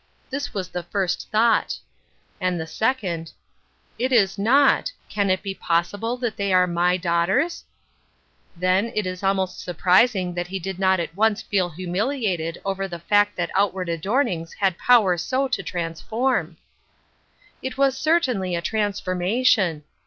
This was the first theught Wkerefore t 357 And the second, " It is not — can it be possihU that they are my daughters !" Then, it is almost surprising that he did not at once feel humiliated over the fact that outward adornings had power sc to transform ! It was certainly a transformation